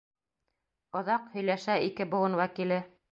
Оҙаҡ һөйләшә ике быуын вәкиле.